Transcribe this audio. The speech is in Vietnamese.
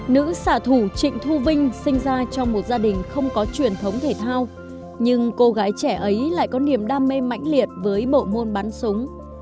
nữ xả thủ trịnh thu vinh sinh ra trong một gia đình không có truyền thống thể thao nhưng cô gái trẻ ấy lại có niềm đam mê mãnh liệt với bộ môn bắn súng